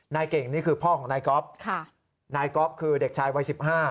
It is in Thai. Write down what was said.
นายเก่งนี่คือพ่อของนายก๊อฟนายก๊อฟคือเด็กชายวัย๑๕